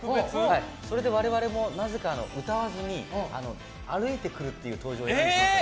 それで我々もなぜか歌わずに歩いてくるっていう登場演出になっています。